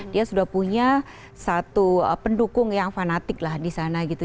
dia sudah punya satu pendukung yang fanatik lah di sana gitu